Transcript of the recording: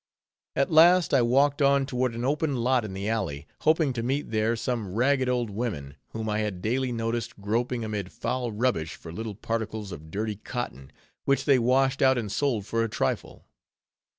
At last, I walked on toward an open lot in the alley, hoping to meet there some ragged old women, whom I had daily noticed groping amid foul rubbish for little particles of dirty cotton, which they washed out and sold for a trifle.